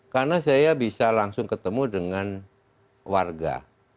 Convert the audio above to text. karena saya bisa langsung ketemu dengan warga